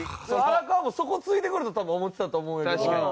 荒川もそこをついてくると多分思ってたと思うんやけど。